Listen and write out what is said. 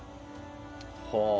はあ！